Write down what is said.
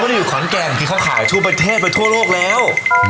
เขาให้อยู่ขอนแกงเขาขายทุนประเทศไปทั่วโลกแล้ว